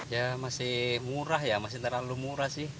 ya masih murah ya masih terlalu murah sih